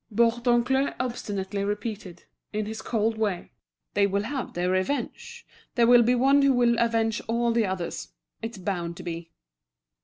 Bourdoncle obstinately repeated, in his cold way: "They will have their revenge; there will be one who will avenge all the others. It's bound to be."